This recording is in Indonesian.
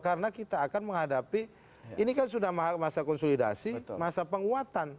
karena kita akan menghadapi ini kan sudah masa konsolidasi masa penguatan